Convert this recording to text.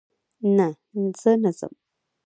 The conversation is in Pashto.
نه، زه نه ځم